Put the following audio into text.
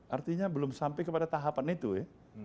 artinya belum sampai kepada tahapan itu ya